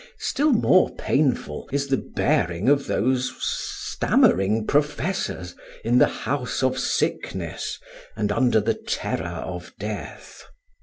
Still more painful is the bearing of those "stammering professors" in the house of sickness and under the terror of death.